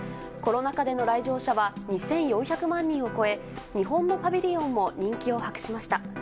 コロナ禍での来場者は２４００万人を超え、日本のパビリオンも人気を博しました。